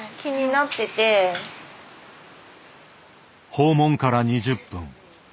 訪問から２０分。